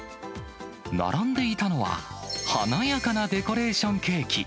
並んでいたのは、華やかなデコレーションケーキ。